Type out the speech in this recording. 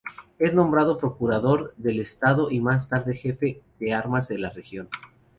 Es nombrado procurador del Estado y más tarde jefe de armas de la región.